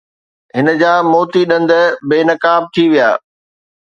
هن جا موتي ڏند بي نقاب ٿي ويا.